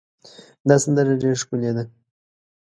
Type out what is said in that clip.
دا سندره ډېره ښکلې ده.